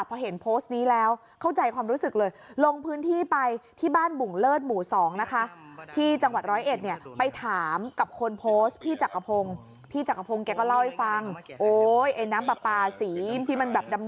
พอเห็นโพสต์นี้แล้วเข้าใจความรู้สึกเลย